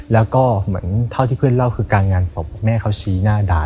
แล้วก็เหมือนเท่าที่เพื่อนเล่าคือการงานศพแม่เขาชี้หน้าด่า